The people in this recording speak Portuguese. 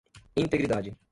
integridade